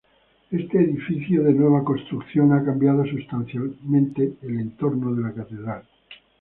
Este edificio de nueva construcción ha cambiado sustancialmente el entorno de la catedral.